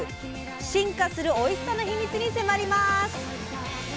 進化するおいしさの秘密に迫ります！